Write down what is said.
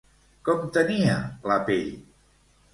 Com tenia la pell?